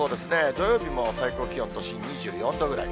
土曜日も最高気温、都心２４度ぐらい。